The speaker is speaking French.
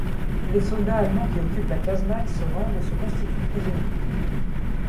Les soldats allemands qui occupent la casemate se rendent et se constituent prisonniers.